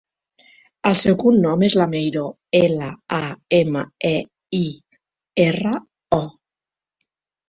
El seu cognom és Lameiro: ela, a, ema, e, i, erra, o.